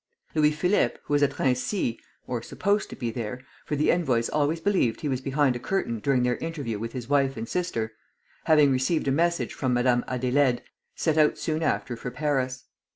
Louis Philippe, who was at Raincy (or supposed to be there, for the envoys always believed he was behind a curtain during their interview with his wife and sister), having received a message from Madame Adélaïde, set out soon after for Paris.